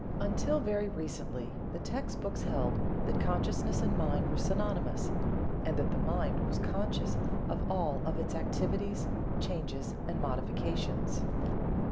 Until very recently the text books held that Consciousness and Mind were synonymous, and that the Mind was conscious of all of its activities, changes and modifications.